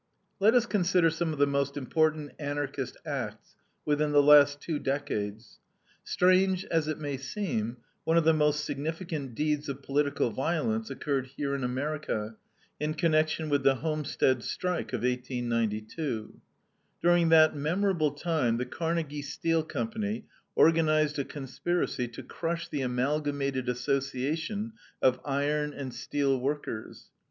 Let us consider some of the most important Anarchist acts within the last two decades. Strange as it may seem, one of the most significant deeds of political violence occurred here in America, in connection with the Homestead strike of 1892. During that memorable time the Carnegie Steel Company organized a conspiracy to crush the Amalgamated Association of Iron and Steel Workers.